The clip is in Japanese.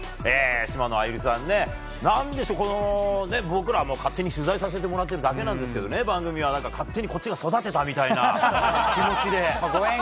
島野愛友利さん、何でしょう僕ら、勝手に取材させてもらってるだけなんですけど番組が勝手に、こっちが育てたみたいな気持ちで。